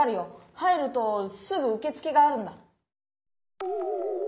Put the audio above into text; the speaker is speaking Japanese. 入るとすぐうけつけがあるんだ。